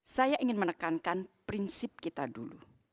saya ingin menekankan prinsip kita dulu